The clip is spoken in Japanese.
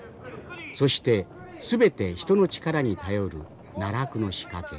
そして全て人の力に頼る奈落の仕掛け。